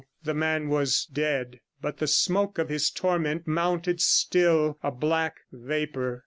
The man was dead, but the smoke of his torment mounted still, a black vapour.